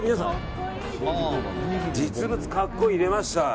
実物格好いい出ました！